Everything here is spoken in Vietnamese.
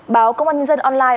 báo công an nhân dân online